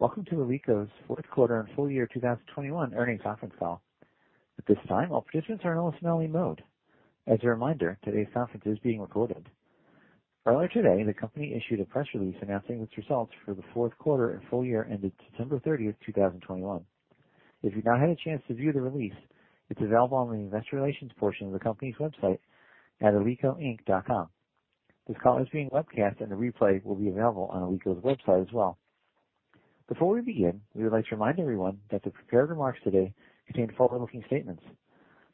Welcome to Alico's fourth quarter and full year 2021 earnings conference call. At this time, all participants are in listen-only mode. As a reminder, today's conference is being recorded. Earlier today, the company issued a press release announcing its results for the fourth quarter and full year ended September 30, 2021. If you've not had a chance to view the release, it's available on the investor relations portion of the company's website at alicoinc.com. This call is being webcast and a replay will be available on Alico's website as well. Before we begin, we would like to remind everyone that the prepared remarks today contain forward-looking statements.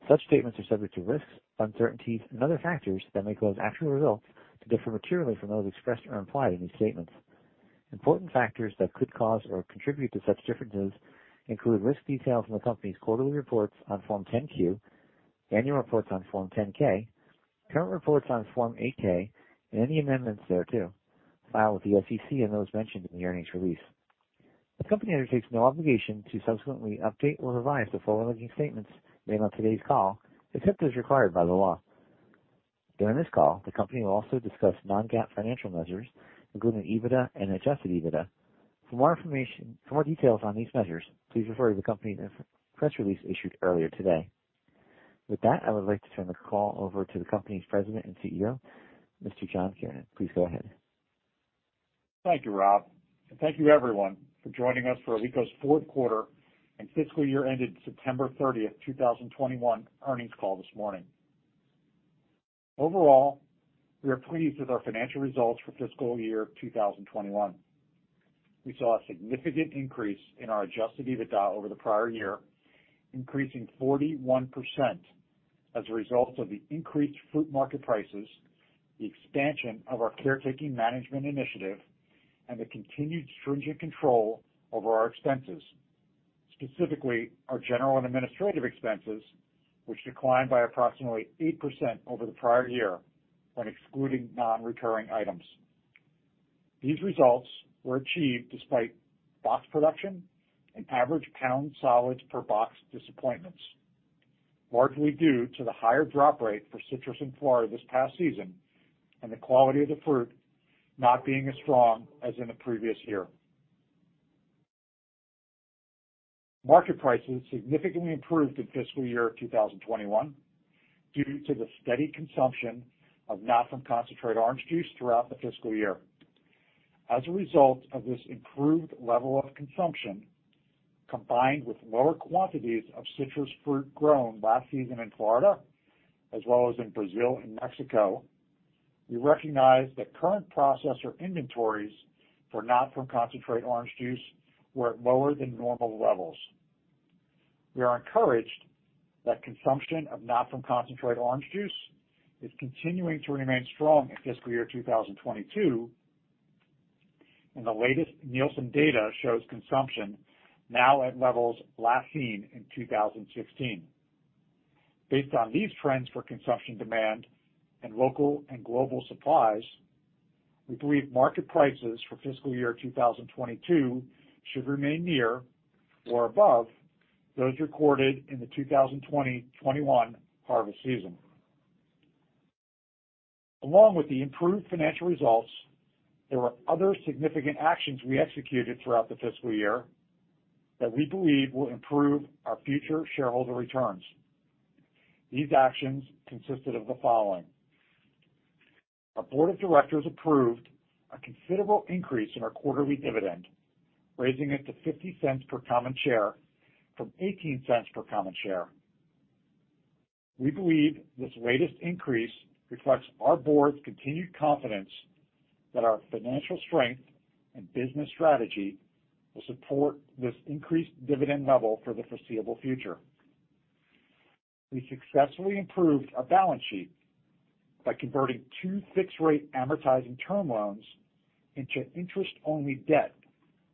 Such statements are subject to risks, uncertainties and other factors that may cause actual results to differ materially from those expressed or implied in these statements. Important factors that could cause or contribute to such differences include risk details in the company's quarterly reports on Form 10-Q, annual reports on Form 10-K, current reports on Form 8-K, and any amendments thereto, filed with the SEC and those mentioned in the earnings release. The company undertakes no obligation to subsequently update or revise the forward-looking statements made on today's call, except as required by the law. During this call, the company will also discuss non-GAAP financial measures, including EBITDA and adjusted EBITDA. For more details on these measures, please refer to the company's press release issued earlier today. With that, I would like to turn the call over to the company's President and CEO, Mr. John Kiernan. Please go ahead. Thank you, Rob. Thank you everyone for joining us for Alico's fourth quarter and fiscal year ended September 30, 2021 earnings call this morning. Overall, we are pleased with our financial results for fiscal year 2021. We saw a significant increase in our Adjusted EBITDA over the prior year, increasing 41% as a result of the increased fruit market prices, the expansion of our caretaking management initiative, and the continued stringent control over our expenses, specifically our general and administrative expenses, which declined by approximately 8% over the prior year when excluding non-recurring items. These results were achieved despite box production and average pound solids per box disappointments, largely due to the higher drop rate for citrus in Florida this past season and the quality of the fruit not being as strong as in the previous year. Market prices significantly improved in fiscal year 2021 due to the steady consumption of not-from-concentrate orange juice throughout the fiscal year. As a result of this improved level of consumption, combined with lower quantities of citrus fruit grown last season in Florida as well as in Brazil and Mexico, we recognize that current processor inventories for not-from-concentrate orange juice were at lower than normal levels. We are encouraged that consumption of not-from-concentrate orange juice is continuing to remain strong in fiscal year 2022, and the latest Nielsen data shows consumption now at levels last seen in 2016. Based on these trends for consumption demand and local and global supplies, we believe market prices for fiscal year 2022 should remain near or above those recorded in the 2020-2021 harvest season. Along with the improved financial results, there were other significant actions we executed throughout the fiscal year that we believe will improve our future shareholder returns. These actions consisted of the following. Our board of directors approved a considerable increase in our quarterly dividend, raising it to $0.50 per common share from $0.18 per common share. We believe this latest increase reflects our board's continued confidence that our financial strength and business strategy will support this increased dividend level for the foreseeable future. We successfully improved our balance sheet by converting two fixed rate amortizing term loans into interest-only debt,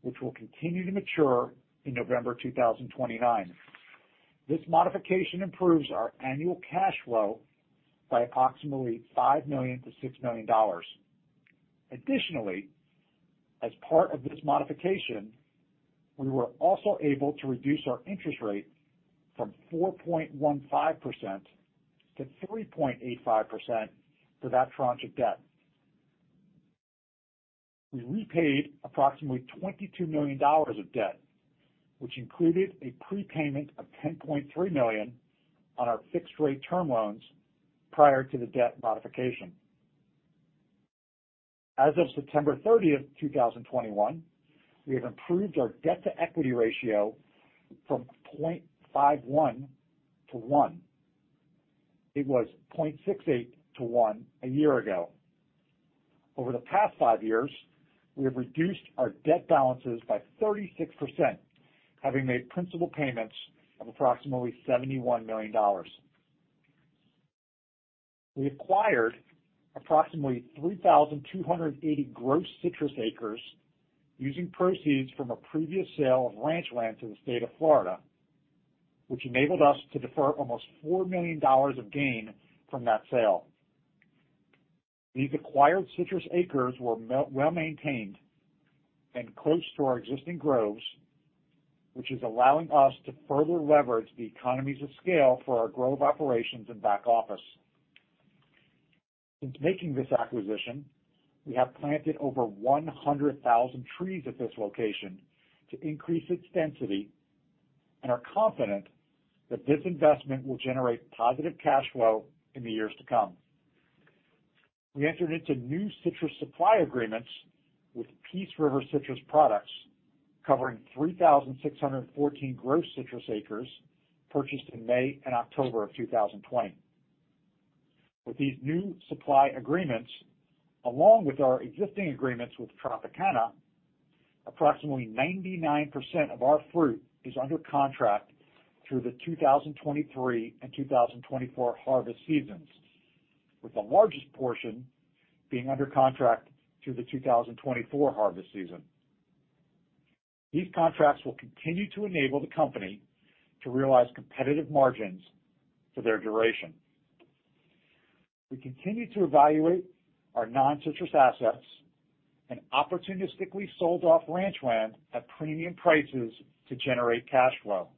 which will continue to mature in November 2029. This modification improves our annual cash flow by approximately $5 million-$6 million. Additionally, as part of this modification, we were also able to reduce our interest rate from 4.15% to 3.85% for that tranche of debt. We repaid approximately $22 million of debt, which included a prepayment of $10.3 million on our fixed rate term loans prior to the debt modification. As of September 30, 2021, we have improved our debt-to-equity ratio from 0.51 to one. It was 0.68 to one a year ago. Over the past five years, we have reduced our debt balances by 36%, having made principal payments of approximately $71 million. We acquired approximately 3,280 gross citrus acres using proceeds from a previous sale of ranch land to the state of Florida, which enabled us to defer almost $4 million of gain from that sale. These acquired citrus acres were well-maintained and close to our existing groves, which is allowing us to further leverage the economies of scale for our grove operations and back office. Since making this acquisition, we have planted over 100,000 trees at this location to increase its density and are confident that this investment will generate positive cash flow in the years to come. We entered into new citrus supply agreements with Peace River Citrus Products, covering 3,614 gross citrus acres purchased in May and October of 2020. With these new supply agreements, along with our existing agreements with Tropicana, approximately 99% of our fruit is under contract through the 2023 and 2024 harvest seasons, with the largest portion being under contract through the 2024 harvest season. These contracts will continue to enable the company to realize competitive margins for their duration. We continue to evaluate our non-citrus assets and opportunistically sold off ranch land at premium prices to generate cash flow,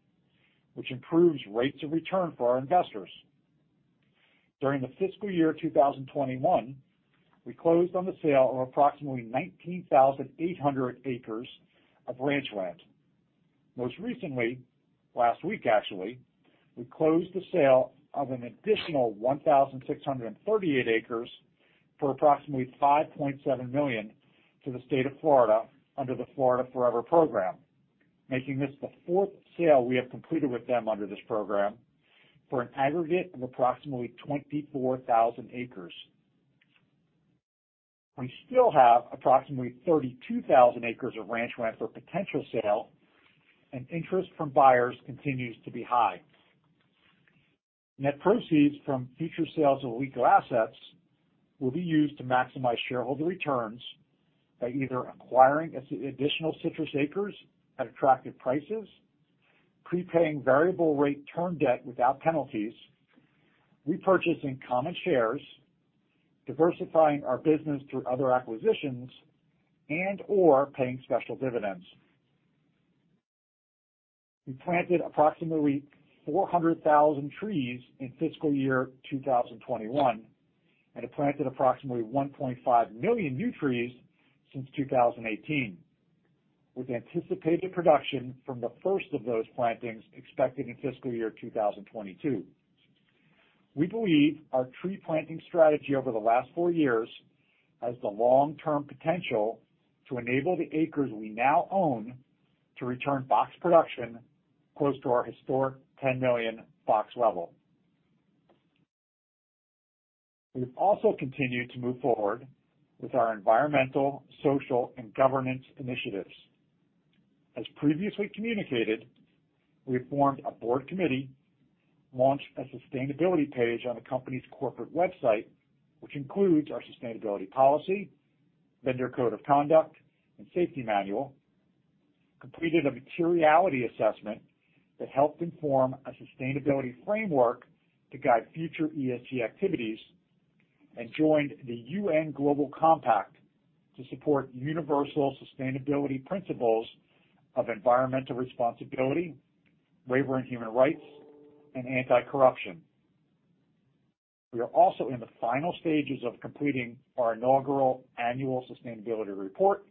which improves rates of return for our investors. During the fiscal year 2021, we closed on the sale of approximately 19,800 acres of ranch land. Most recently, last week actually, we closed the sale of an additional 1,638 acres for approximately $5.7 million to the state of Florida under the Florida Forever program, making this the fourth sale we have completed with them under this program for an aggregate of approximately 24,000 acres. We still have approximately 32,000 acres of ranch land for potential sale, and interest from buyers continues to be high. Net proceeds from future sales of non-strategic assets will be used to maximize shareholder returns by either acquiring additional citrus acres at attractive prices, prepaying variable rate term debt without penalties, repurchasing common shares, diversifying our business through other acquisitions, and/or paying special dividends. We planted approximately 400,000 trees in fiscal year 2021, and have planted approximately 1.5 million new trees since 2018, with anticipated production from the first of those plantings expected in fiscal year 2022. We believe our tree planting strategy over the last four years has the long-term potential to enable the acres we now own to return box production close to our historic 10 million box level. We've also continued to move forward with our environmental, social and governance initiatives. As previously communicated, we formed a board committee, launched a sustainability page on the company's corporate website, which includes our sustainability policy, vendor code of conduct, and safety manual. Completed a materiality assessment that helped inform a sustainability framework to guide future ESG activities, and joined the UN Global Compact to support universal sustainability principles of environmental responsibility, labor and human rights, and anti-corruption. We are also in the final stages of completing our inaugural annual sustainability report,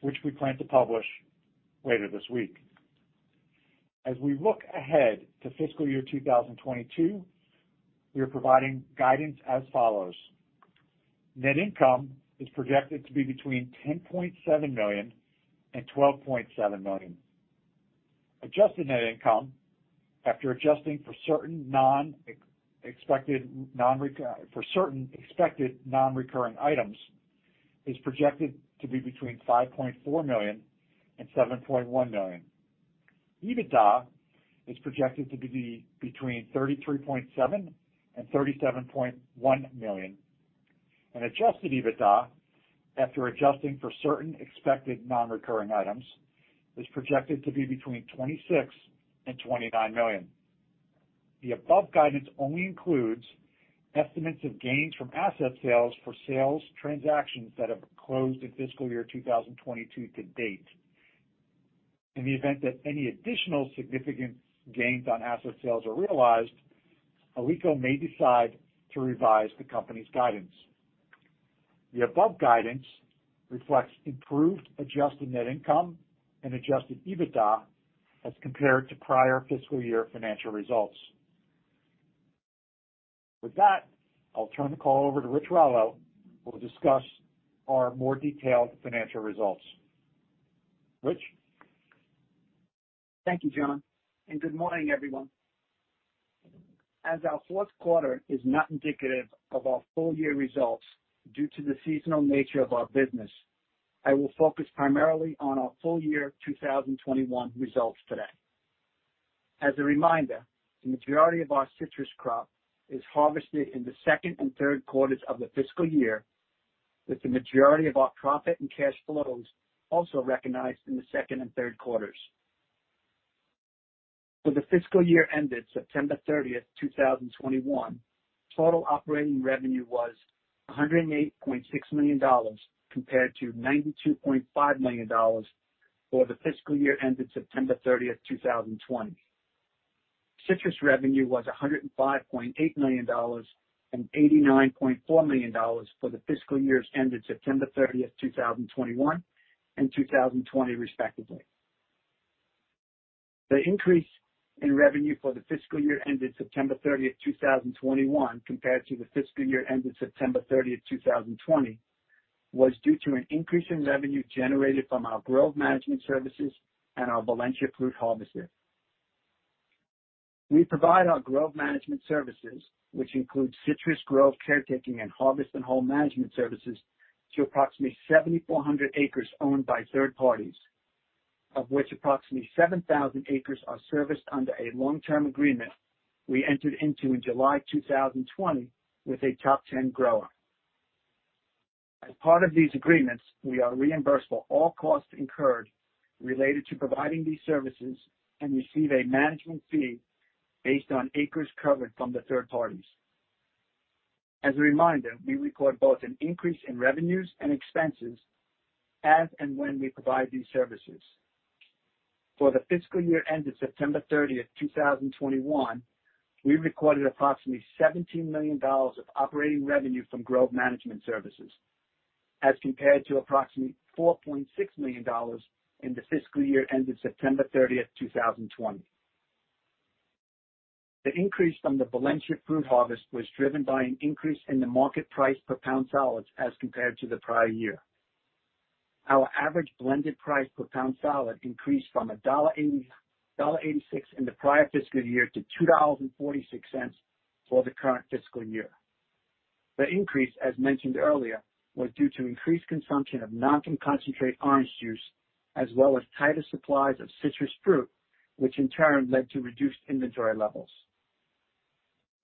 which we plan to publish later this week. As we look ahead to fiscal year 2022, we are providing guidance as follows. Net income is projected to be between $10.7 million and $12.7 million. Adjusted net income after adjusting for certain expected non-recurring items, is projected to be between $5.4 million and $7.1 million. EBITDA is projected to be between $33.7 million and $37.1 million. Adjusted EBITDA, after adjusting for certain expected non-recurring items, is projected to be between $26 million and $29 million. The above guidance only includes estimates of gains from asset sales for sales transactions that have closed in fiscal year 2022 to date. In the event that any additional significant gains on asset sales are realized, Alico may decide to revise the company's guidance. The above guidance reflects improved adjusted net income and Adjusted EBITDA as compared to prior fiscal year financial results. With that, I'll turn the call over to Rich Rallo, who will discuss our more detailed financial results. Rich? Thank you, John, and good morning, everyone. As our fourth quarter is not indicative of our full-year results due to the seasonal nature of our business, I will focus primarily on our full-year 2021 results today. As a reminder, the majority of our citrus crop is harvested in the second and third quarters of the fiscal year, with the majority of our profit and cash flows also recognized in the second and third quarters. For the fiscal year ended September 30, 2021, total operating revenue was $108.6 million compared to $92.5 million for the fiscal year ended September 30, 2020. Citrus revenue was $105.8 million and $89.4 million for the fiscal years ended September 30, 2021 and 2020, respectively. The increase in revenue for the fiscal year ended September 30, 2021 compared to the fiscal year ended September 30, 2020 was due to an increase in revenue generated from our grove management services and our Valencia fruit harvester. We provide our grove management services, which include citrus grove caretaking and harvest and haul management services to approximately 7,400 acres owned by third parties, of which approximately 7,000 acres are serviced under a long-term agreement we entered into in July 2020 with a top 10 grower. As part of these agreements, we are reimbursed for all costs incurred related to providing these services and receive a management fee based on acres covered from the third parties. As a reminder, we record both an increase in revenues and expenses as and when we provide these services. For the fiscal year ended September thirtieth, two thousand twenty-one, we recorded approximately $17 million of operating revenue from grove management services as compared to approximately $4.6 million in the fiscal year ended September thirtieth, 2020. The increase from the Valencia fruit harvest was driven by an increase in the market price per pound solids as compared to the prior year. Our average blended price per pound solids increased from $1.86 in the prior fiscal year to $2.46 for the current fiscal year. The increase, as mentioned earlier, was due to increased consumption of not-from-concentrate orange juice as well as tighter supplies of citrus fruit, which in turn led to reduced inventory levels.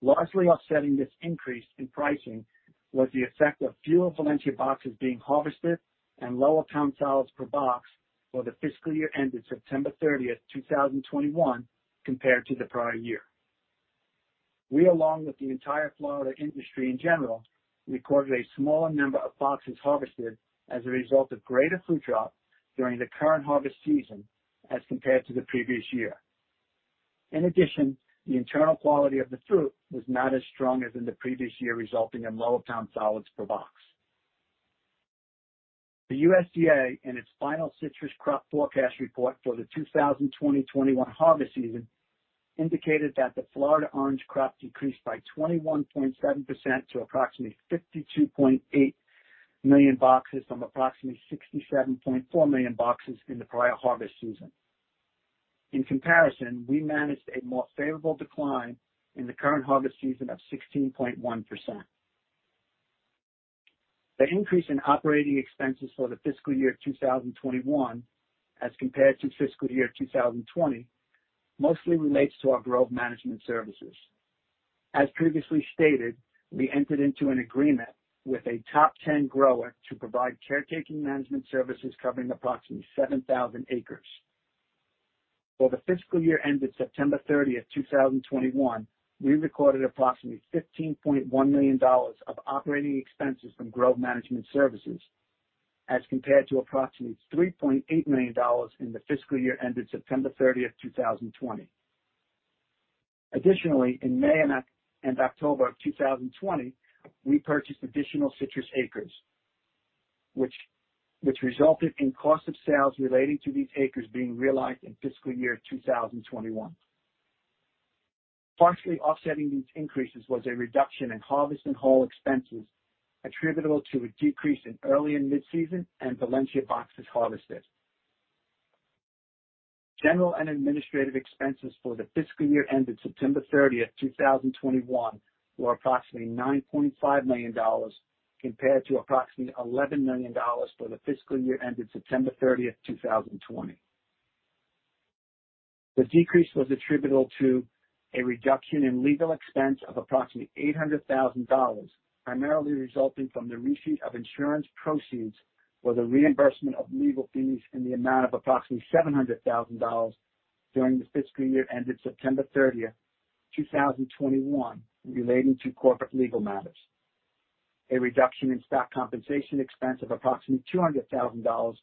Largely offsetting this increase in pricing was the effect of fewer Valencia boxes being harvested and lower pound solids per box for the fiscal year ended September 30, 2021 compared to the prior year. We, along with the entire Florida industry in general, recorded a smaller number of boxes harvested as a result of greater fruit drop during the current harvest season as compared to the previous year. In addition, the internal quality of the fruit was not as strong as in the previous year, resulting in lower pound solids per box. The USDA, in its final Citrus Crop Forecast report for the 2020-2021 harvest season, indicated that the Florida orange crop decreased by 21.7% to approximately 52.8 million boxes from approximately 67.4 million boxes in the prior harvest season. In comparison, we managed a more favorable decline in the current harvest season of 16.1%. The increase in operating expenses for the fiscal year 2021 as compared to fiscal year 2020 mostly relates to our grove management services. As previously stated, we entered into an agreement with a top ten grower to provide caretaking management services covering approximately 7,000 acres. For the fiscal year ended September 30, 2021, we recorded approximately $15.1 million of operating expenses from grove management services as compared to approximately $3.8 million in the fiscal year ended September 30, 2020. Additionally, in May and October of 2020, we purchased additional citrus acres which resulted in cost of sales relating to these acres being realized in fiscal year 2021. Partially offsetting these increases was a reduction in harvest and haul expenses attributable to a decrease in early and mid-season and Valencia boxes harvested. General and administrative expenses for the fiscal year ended September 30, 2021 were approximately $9.5 million compared to approximately $11 million for the fiscal year ended September 30, 2020. The decrease was attributable to a reduction in legal expense of approximately $800,000, primarily resulting from the receipt of insurance proceeds for the reimbursement of legal fees in the amount of approximately $700,000 during the fiscal year ended September 30, 2021 relating to corporate legal matters. A reduction in stock compensation expense of approximately $200,000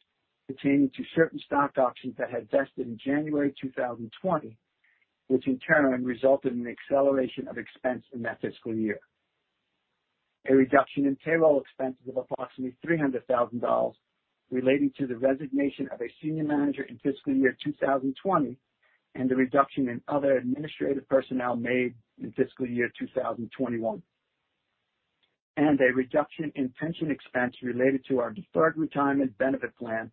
pertaining to certain stock options that had vested in January 2020, which in turn resulted in an acceleration of expense in that fiscal year. A reduction in payroll expenses of approximately $300,000 relating to the resignation of a senior manager in fiscal year 2020 and the reduction in other administrative personnel made in fiscal year 2021. A reduction in pension expense related to our deferred retirement benefit plan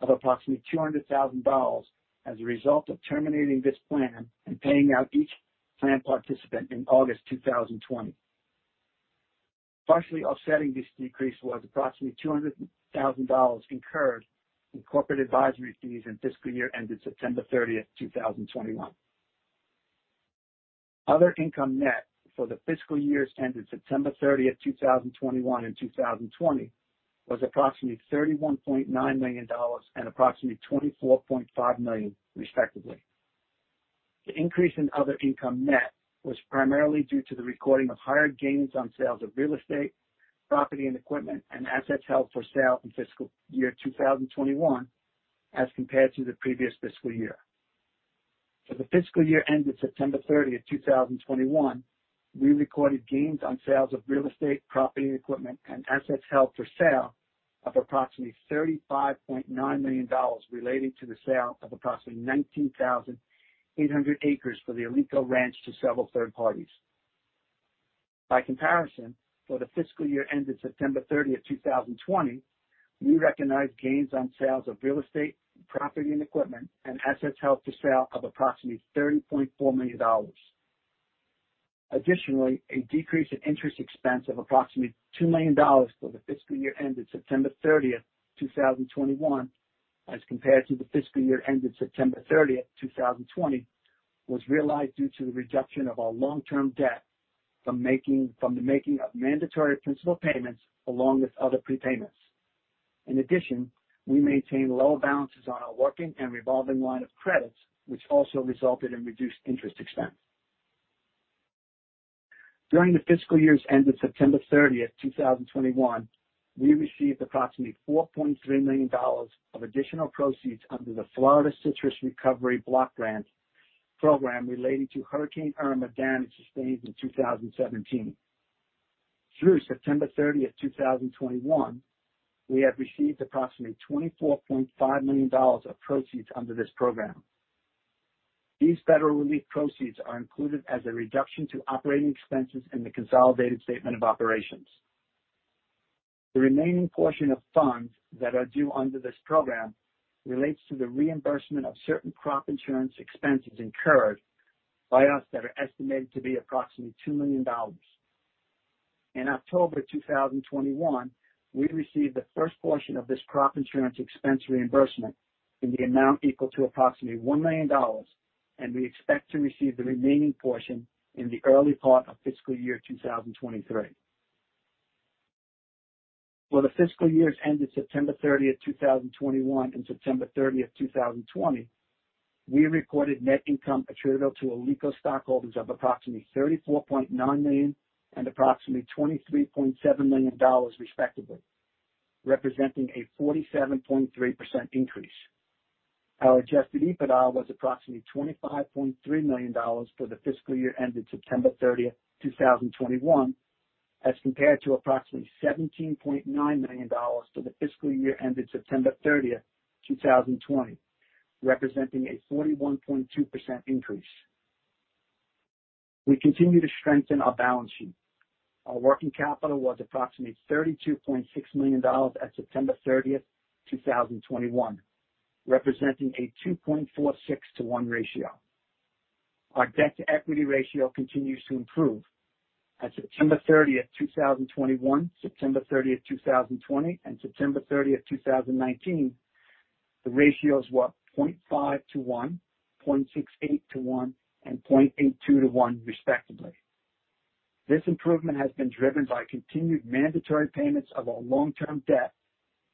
of approximately $200,000 as a result of terminating this plan and paying out each plan participant in August 2020. Partially offsetting this decrease was approximately $200,000 incurred in corporate advisory fees in fiscal year ended September 30, 2021. Other income net for the fiscal years ended September 30, 2021 and 2020 was approximately $31.9 million and approximately $24.5 million, respectively. The increase in other income net was primarily due to the recording of higher gains on sales of real estate, property and equipment and assets held for sale in fiscal year 2021 as compared to the previous fiscal year. For the fiscal year ended September 30, 2021, we recorded gains on sales of real estate, property and equipment and assets held for sale of approximately $35.9 million relating to the sale of approximately 19,800 acres of the Alico Ranch to several third parties. By comparison, for the fiscal year ended September 30, 2020, we recognized gains on sales of real estate, property and equipment and assets held for sale of approximately $30.4 million. Additionally, a decrease in interest expense of approximately $2 million for the fiscal year ended September 30, 2021, as compared to the fiscal year ended September 30, 2020, was realized due to the reduction of our long-term debt from the making of mandatory principal payments along with other prepayments. In addition, we maintain low balances on our working and revolving line of credits, which also resulted in reduced interest expense. During the fiscal years ended September 30, 2021, we received approximately $4.3 million of additional proceeds under the Florida Citrus Recovery Block Grant program relating to Hurricane Irma damage sustained in 2017. Through September 30, 2021, we have received approximately $24.5 million of proceeds under this program. These federal relief proceeds are included as a reduction to operating expenses in the consolidated statement of operations. The remaining portion of funds that are due under this program relates to the reimbursement of certain crop insurance expenses incurred by us that are estimated to be approximately $2 million. In October 2021, we received the first portion of this crop insurance expense reimbursement in the amount equal to approximately $1 million, and we expect to receive the remaining portion in the early part of fiscal year 2023. For the fiscal years ended September 30, 2021 and September 30, 2020, we recorded net income attributable to Alico stockholders of approximately $34.9 million and approximately $23.7 million, respectively, representing a 47.3% increase. Our Adjusted EBITDA was approximately $25.3 million for the fiscal year ended September 30, 2021, as compared to approximately $17.9 million for the fiscal year ended September 30, 2020, representing a 41.2% increase. We continue to strengthen our balance sheet. Our working capital was approximately $32.6 million at September 30, 2021, representing a 2.46-to-1 ratio. Our debt to equity ratio continues to improve. At September 30, 2021, September 30, 2020 and September 30, 2019, the ratios were 0.5-to-1, 0.68-to-1, and 0.82-to-1, respectively. This improvement has been driven by continued mandatory payments of our long-term debt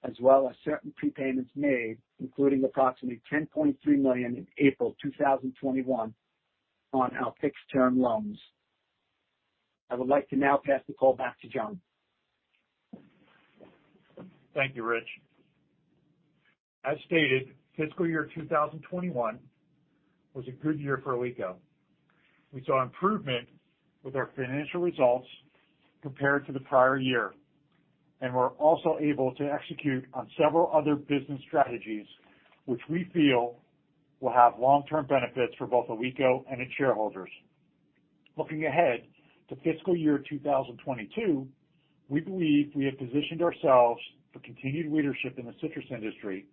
as well as certain prepayments made, including approximately $10.3 million in April 2021 on our fixed-term loans. I would like to now pass the call back to John. Thank you, Rich. As stated, fiscal year 2021 was a good year for Alico. We saw improvement with our financial results compared to the prior year, and we're also able to execute on several other business strategies which we feel will have long-term benefits for both Alico and its shareholders. Looking ahead to fiscal year 2022, we believe we have positioned ourselves for continued leadership in the citrus industry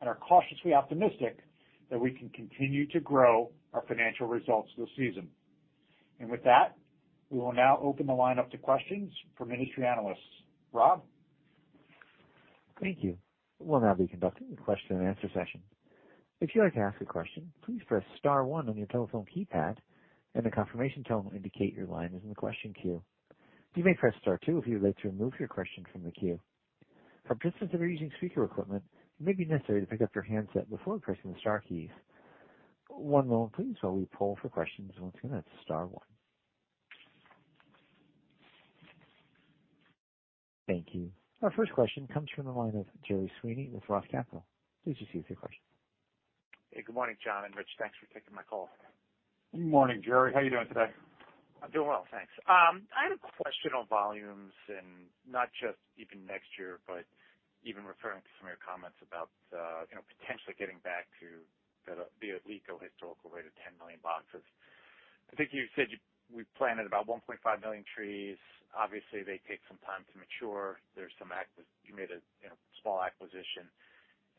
and are cautiously optimistic that we can continue to grow our financial results this season. With that, we will now open the line up to questions from industry analysts. Rob? Thank you. We'll now be conducting the question and answer session. If you'd like to ask a question, please press star one on your telephone keypad and a confirmation tone will indicate your line is in the question queue. You may press star two if you would like to remove your question from the queue. For participants that are using speaker equipment, it may be necessary to pick up your handset before pressing the star keys. One moment please while we poll for questions. Once again, that's star one. Thank you. Our first question comes from the line of Gerry Sweeney with Roth Capital. Please proceed with your question. Hey, good morning, John and Rich. Thanks for taking my call. Good morning, Gerry. How are you doing today? I'm doing well, thanks. I had a question on volumes and not just even next year, but even referring to some of your comments about, you know, potentially getting back to the Alico historical rate of 10 million boxes. I think we planted about 1.5 million trees. Obviously, they take some time to mature. There's some. You made a, you know, small acquisition,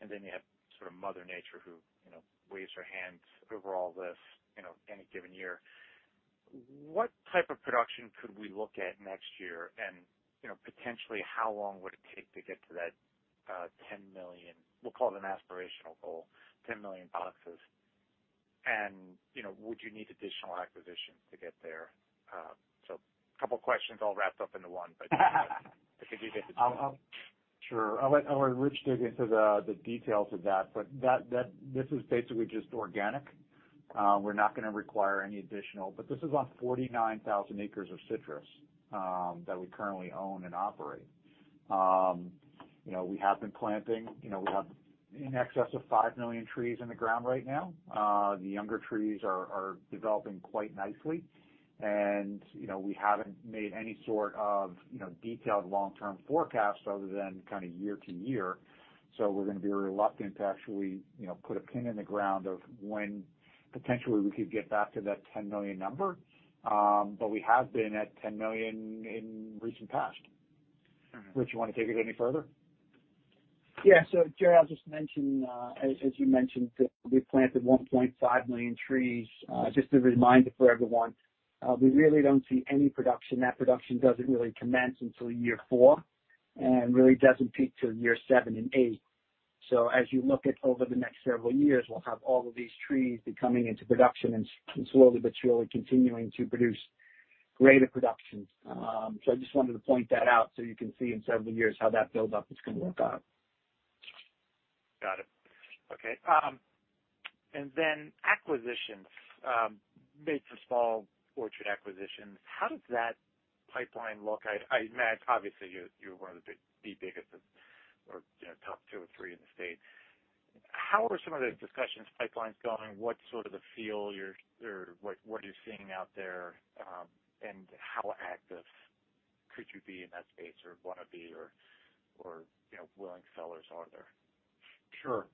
and then you have sort of Mother Nature who, you know, waves her hands over all this, you know, any given year. What type of production could we look at next year? And, you know, potentially how long would it take to get to that? 10 million, we'll call it an aspirational goal, 10 million boxes. And, you know, would you need additional acquisitions to get there? A couple questions all wrapped up into one, but if you could hit the highlights. Sure. I'll let Rich dig into the details of that, but this is basically just organic. We're not gonna require any additional. This is on 49,000 acres of citrus that we currently own and operate. You know, we have been planting. You know, we have in excess of five million trees in the ground right now. The younger trees are developing quite nicely. You know, we haven't made any sort of detailed long-term forecast other than kind of year to year, so we're gonna be reluctant to actually put a pin in the ground of when potentially we could get back to that 10 million number. We have been at 10 million in recent past. Mm-hmm. Rich, you wanna take it any further? Yeah. Gerry, I'll just mention, as you mentioned, that we planted 1.5 million trees. Just a reminder for everyone, we really don't see any production. That production doesn't really commence until year four and really doesn't peak till year seven and eight. As you look at over the next several years, we'll have all of these trees coming into production and slowly but surely continuing to produce greater production. I just wanted to point that out so you can see in several years how that build up is gonna work out. Got it. Okay. Acquisitions, big to small orchard acquisitions, how does that pipeline look? I imagine obviously you're one of the biggest or, you know, top two or three in the state. How are some of the discussions pipelines going? What's sort of the feel you're or what are you seeing out there, and how active could you be in that space or wanna be or, you know, willing sellers are there? Sure.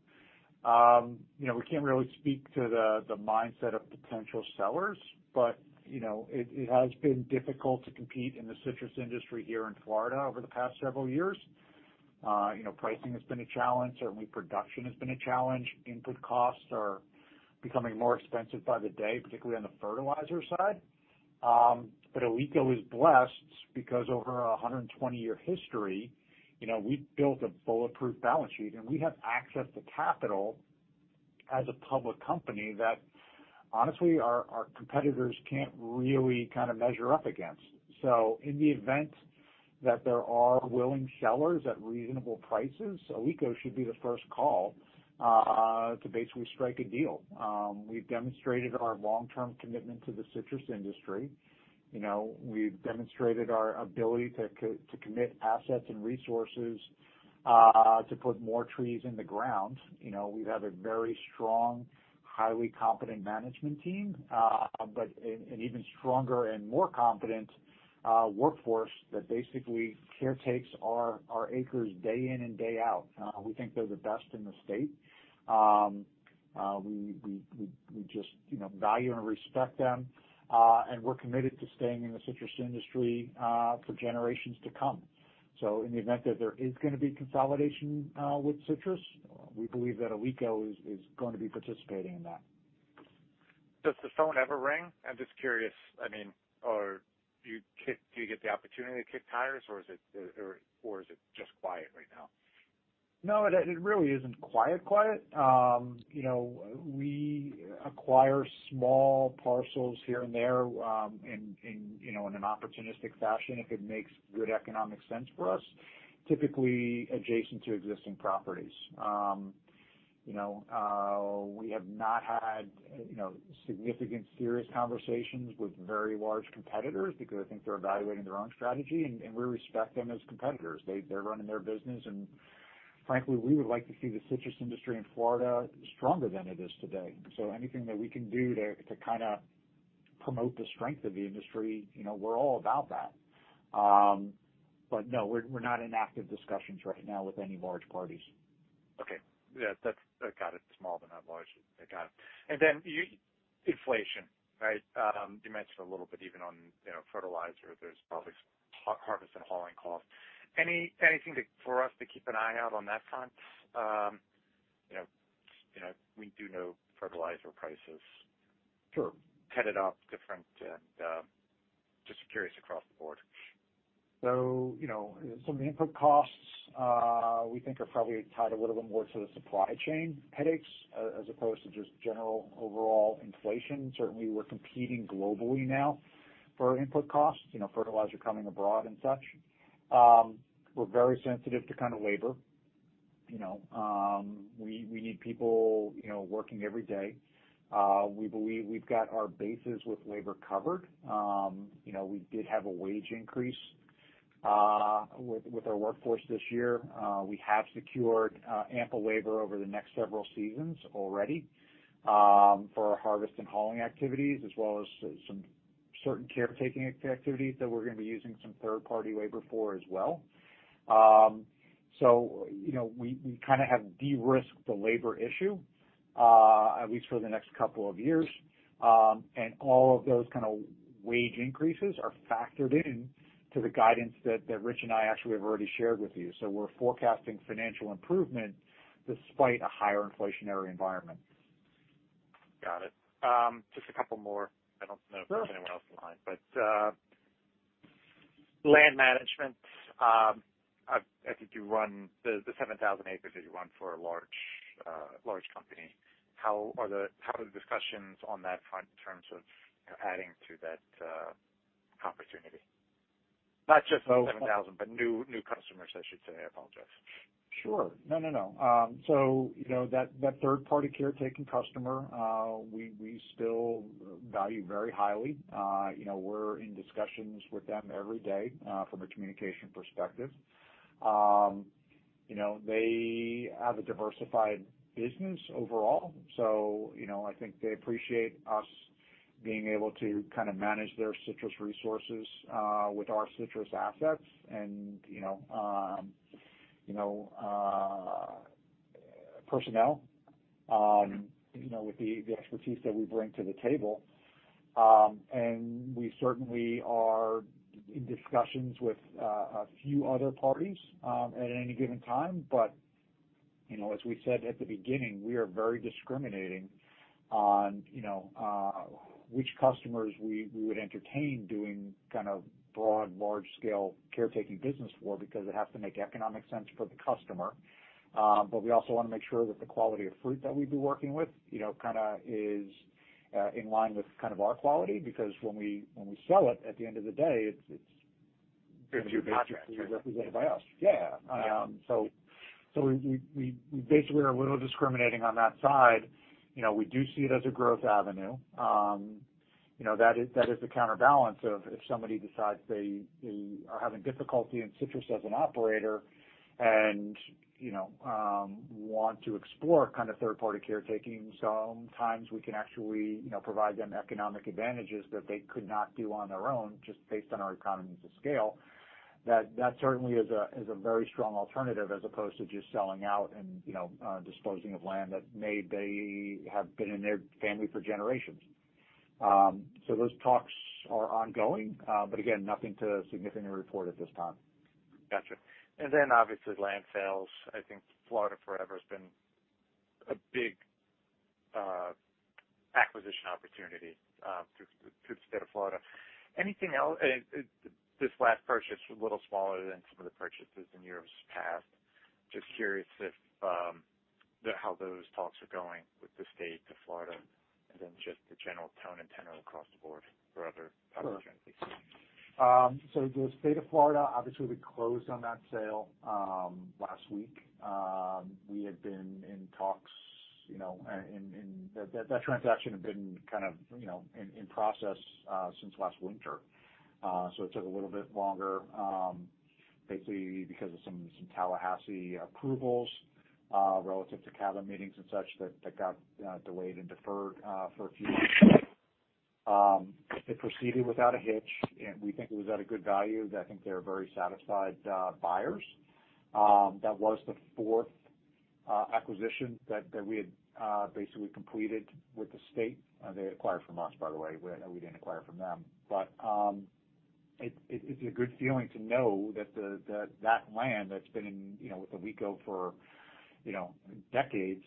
You know, we can't really speak to the mindset of potential sellers, but you know, it has been difficult to compete in the citrus industry here in Florida over the past several years. You know, pricing has been a challenge. Certainly production has been a challenge. Input costs are becoming more expensive by the day, particularly on the fertilizer side. Alico is blessed because over a 120-year history, you know, we've built a bulletproof balance sheet, and we have access to capital as a public company that honestly our competitors can't really kind of measure up against. In the event that there are willing sellers at reasonable prices, Alico should be the first call to basically strike a deal. We've demonstrated our long-term commitment to the citrus industry. You know, we've demonstrated our ability to commit assets and resources to put more trees in the ground. You know, we have a very strong, highly competent management team, but an even stronger and more competent workforce that basically caretakes our acres day in and day out. We think they're the best in the state. We just, you know, value and respect them, and we're committed to staying in the citrus industry for generations to come. In the event that there is gonna be consolidation with citrus, we believe that Alico is going to be participating in that. Does the phone ever ring? I'm just curious. I mean, or do you get the opportunity to kick tires or is it just quiet right now? No, it really isn't quiet. You know, we acquire small parcels here and there in an opportunistic fashion if it makes good economic sense for us, typically adjacent to existing properties. You know, we have not had you know significant serious conversations with very large competitors because I think they're evaluating their own strategy and we respect them as competitors. They're running their business, and frankly, we would like to see the citrus industry in Florida stronger than it is today. Anything that we can do to kinda promote the strength of the industry, you know, we're all about that. No, we're not in active discussions right now with any large parties. Okay. Yeah, that's, I got it. Small but not large. I got it. Then you Inflation, right? You mentioned a little bit even on, you know, fertilizer, there's obviously harvest and hauling costs. Anything to, for us to keep an eye out on that front? You know, we do know fertilizer prices. Sure. Headed up differently, and just curious across the board. You know, some input costs we think are probably tied a little bit more to the supply chain headaches as opposed to just general overall inflation. Certainly we're competing globally now for input costs, you know, fertilizer coming abroad and such. We're very sensitive to kind of labor, you know. We need people, you know, working every day. We believe we've got our bases with labor covered. You know, we did have a wage increase with our workforce this year. We have secured ample labor over the next several seasons already for our harvest and hauling activities, as well as some certain caretaking activities that we're gonna be using some third party labor for as well. You know, we kinda have de-risked the labor issue at least for the next couple of years. All of those kinda wage increases are factored into the guidance that Rich and I actually have already shared with you. We're forecasting financial improvement despite a higher inflationary environment. Got it. Just a couple more. I don't know if there's anyone else in line, but land management, I think you run the 7,000 acres that you run for a large company. How are the discussions on that front in terms of adding to that opportunity? Not just the 7,000, but new customers, I should say. I apologize. Sure. No, no. You know, that third-party caretaking customer, we still value very highly. You know, we're in discussions with them every day, from a communication perspective. You know, they have a diversified business overall. You know, I think they appreciate us being able to kind of manage their citrus resources, with our citrus assets and, you know, personnel, with the expertise that we bring to the table. We certainly are in discussions with a few other parties, at any given time. You know, as we said at the beginning, we are very discriminating on, you know, which customers we would entertain doing kind of broad, large-scale caretaking business for, because it has to make economic sense for the customer. We also want to make sure that the quality of fruit that we'd be working with, you know, kinda is in line with kind of our quality, because when we sell it, at the end of the day, it's. It's your contract. Represented by us. Yeah. Yeah. We basically are a little discriminating on that side. You know, we do see it as a growth avenue. You know, that is the counterbalance of if somebody decides they are having difficulty in citrus as an operator and, you know, want to explore kind of third-party caretaking, sometimes we can actually, you know, provide them economic advantages that they could not do on their own, just based on our economies of scale. That certainly is a very strong alternative as opposed to just selling out and, you know, disposing of land that they may have been in their family for generations. Those talks are ongoing, but again, nothing to significantly report at this time. Gotcha. Obviously land sales. I think Florida Forever has been a big acquisition opportunity through the state of Florida. Anything else? This last purchase was a little smaller than some of the purchases in years past. Just curious if how those talks are going with the state of Florida and then just the general tone and tenor across the board for other opportunities. Sure. The State of Florida, obviously we closed on that sale last week. We had been in talks, you know, and that transaction had been kind of, you know, in process since last winter. It took a little bit longer, basically because of some Tallahassee approvals relative to cabinet meetings and such that got delayed and deferred for a few months. It proceeded without a hitch, and we think it was at a good value. I think they're very satisfied buyers. That was the fourth acquisition that we had basically completed with the state. They acquired from us, by the way, we didn't acquire from them. It's a good feeling to know that the land that's been in the family for decades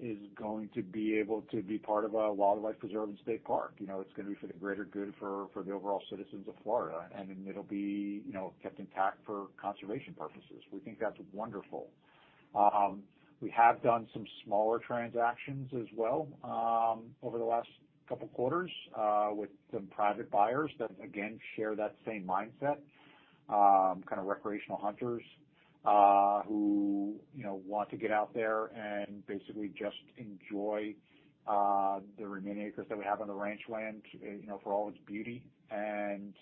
is going to be able to be part of a wildlife preserve and state park. You know, it's gonna be for the greater good for the overall citizens of Florida, and it'll be kept intact for conservation purposes. We think that's wonderful. We have done some smaller transactions as well over the last couple quarters with some private buyers that again share that same mindset, kind of recreational hunters who want to get out there and basically just enjoy the remaining acres that we have on the ranch land, you know, for all its beauty and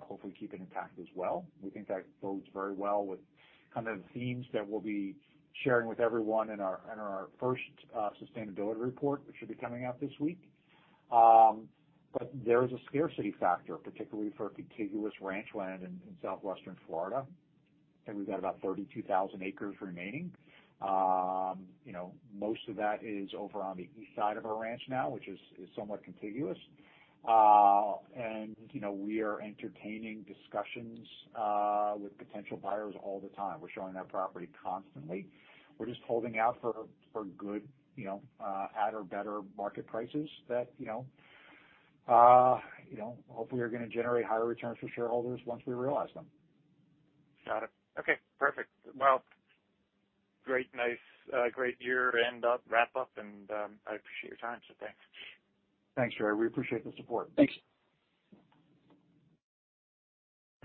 hopefully keep it intact as well. We think that bodes very well with kind of the themes that we'll be sharing with everyone in our first sustainability report, which should be coming out this week. There is a scarcity factor, particularly for contiguous ranch land in southwestern Florida, and we've got about 32,000 acres remaining. You know, most of that is over on the east side of our ranch now, which is somewhat contiguous. You know, we are entertaining discussions with potential buyers all the time. We're showing that property constantly. We're just holding out for good, you know, at or better market prices that, you know, hopefully are gonna generate higher returns for shareholders once we realize them. Got it. Okay, perfect. Well, great, nice, great year-end wrap-up and, I appreciate your time, so thanks. Thanks, Gerry. We appreciate the support. Thanks.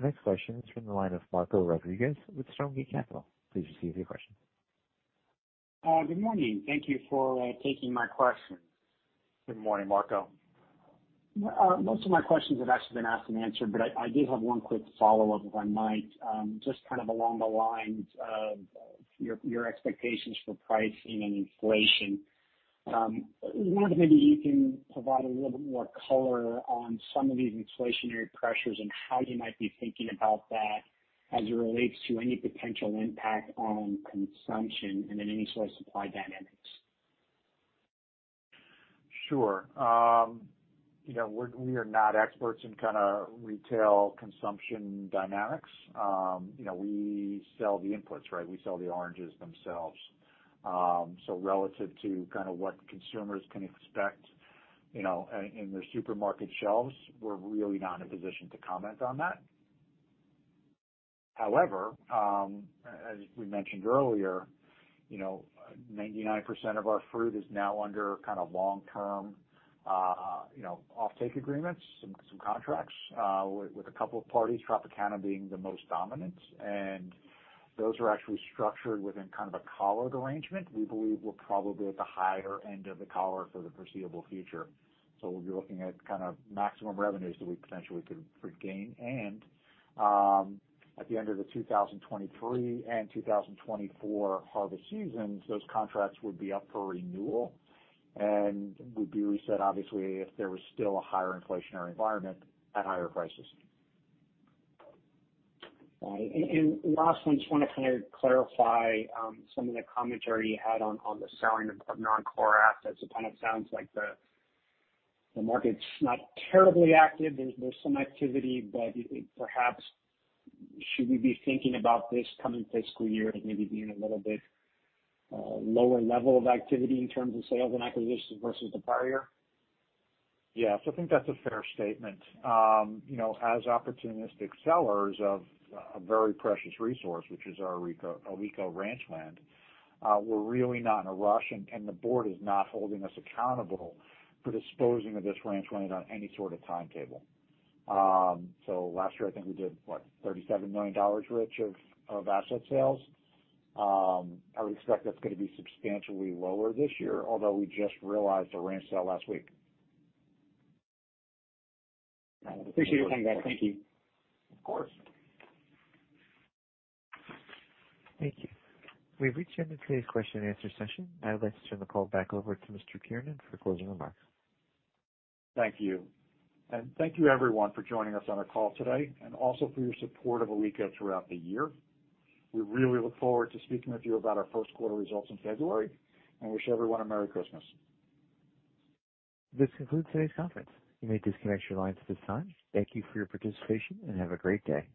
Next question is from the line of Marco Rodriguez with Stronghill Capital. Please proceed with your question. Good morning. Thank you for taking my question. Good morning, Marco. Most of my questions have actually been asked and answered, but I did have one quick follow-up, if I might, just kind of along the lines of your expectations for pricing and inflation. I wonder if maybe you can provide a little bit more color on some of these inflationary pressures and how you might be thinking about that as it relates to any potential impact on consumption and then any sort of supply dynamics. Sure. You know, we are not experts in kinda retail consumption dynamics. You know, we sell the inputs, right? We sell the oranges themselves. Relative to kind of what consumers can expect, you know, in their supermarket shelves, we're really not in a position to comment on that. However, as we mentioned earlier, you know, 99% of our fruit is now under kind of long-term, you know, offtake agreements and some contracts, with a couple of parties, Tropicana being the most dominant. Those are actually structured within kind of a collared arrangement. We believe we're probably at the higher end of the collar for the foreseeable future, so we'll be looking at kind of maximum revenues that we potentially could gain. At the end of the 2023 and 2024 harvest seasons, those contracts would be up for renewal and would be reset, obviously, if there was still a higher inflationary environment at higher prices. Right. Last one, just wanna kinda clarify some of the commentary you had on the selling of non-core assets. It kind of sounds like the market's not terribly active. There's some activity, but perhaps should we be thinking about this coming fiscal year as maybe being a little bit lower level of activity in terms of sales and acquisitions versus the prior year? Yeah. I think that's a fair statement. You know, as opportunistic sellers of a very precious resource, which is our Alico ranch land, we're really not in a rush, and the board is not holding us accountable for disposing of this ranch land on any sort of timetable. Last year, I think we did $37 million worth of asset sales. I would expect that's gonna be substantially lower this year, although we just realized a ranch sale last week. Appreciate your time, guys. Thank you. Of course. Thank you. We've reached the end of today's question and answer session. I'd like to turn the call back over to Mr. Kiernan for closing remarks. Thank you. Thank you everyone for joining us on the call today and also for your support of Alico throughout the year. We really look forward to speaking with you about our first quarter results in February, and wish everyone a Merry Christmas. This concludes today's conference. You may disconnect your lines at this time. Thank you for your participation, and have a great day.